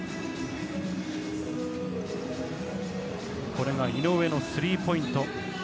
これが井上のスリーポイント。